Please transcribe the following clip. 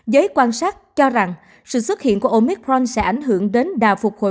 giới quan sát cho rằng sự xuất hiện của omicron sẽ ảnh hưởng đến đà phục hồi